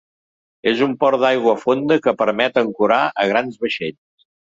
És un port d'aigua fonda que permet ancorar a grans vaixells.